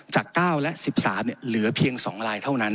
จาก๙และ๑๓เหลือเพียง๒ลายเท่านั้น